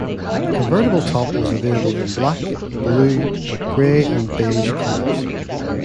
The convertible top was available in black, blue, grey and beige colors.